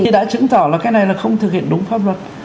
đã chứng tỏ là cái này là không thực hiện đúng pháp luật